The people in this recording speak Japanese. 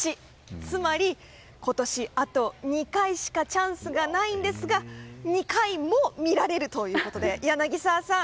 つまり、今年あと２回しかチャンスがないんですが２回も見られるということで柳澤さん